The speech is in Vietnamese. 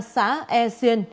xã e xiên